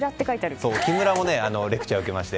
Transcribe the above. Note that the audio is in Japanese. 木村もレクチャーを受けまして。